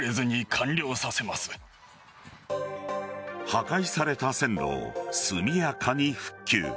破壊された線路を速やかに復旧。